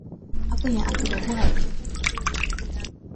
Apa yang aku dah buat.